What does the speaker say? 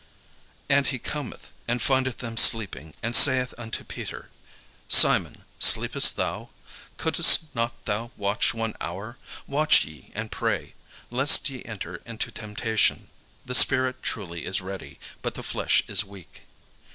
And he cometh, and findeth them sleeping, and saith unto Peter, "Simon, sleepest thou? Couldest not thou watch one hour? Watch ye and pray, lest ye enter into temptation. The spirit truly is ready, but the flesh is weak."